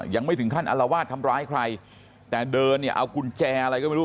ยังไม่ถึงขั้นอลวาดทำร้ายใครแต่เดินเนี่ยเอากุญแจอะไรก็ไม่รู้